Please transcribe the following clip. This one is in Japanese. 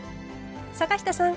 坂下さん